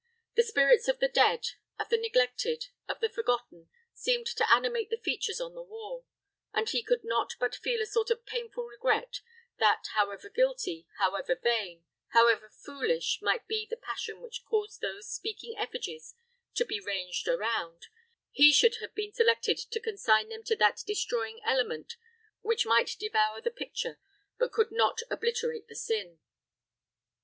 The spirits of the dead, of the neglected, of the forgotten, seemed to animate the features on the wall, and he could not but feel a sort of painful regret that, however guilty, however vain, however foolish might be the passion which caused those speaking effigies to be ranged around, he should have been selected to consign them to that destroying element which might devour the picture, but could not obliterate the sin.